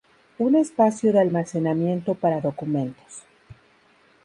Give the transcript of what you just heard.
Un espacio de almacenamiento para documentos.